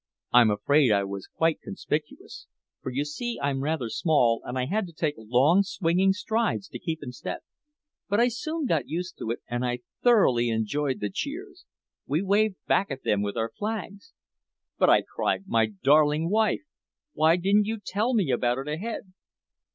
I'm afraid I was quite conspicuous, for you see I'm rather small and I had to take long swinging strides to keep in step. But I soon got used to it, and I thoroughly enjoyed the cheers. We waved back at them with our flags." "But," I cried, "my darling wife! Why didn't you tell me about it ahead?"